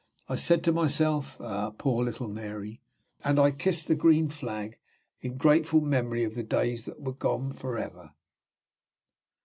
I said to myself, "Ah, poor little Mary!" and I kissed the green flag, in grateful memory of the days that were gone forever.